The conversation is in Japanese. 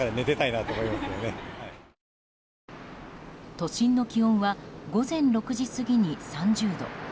都心の気温は午前６時過ぎに３０度。